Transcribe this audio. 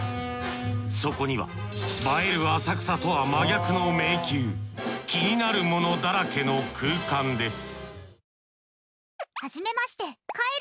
そこには映える浅草とは真逆の迷宮気になるものだらけの空間です